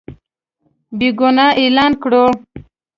بېګناه اعلان کړو.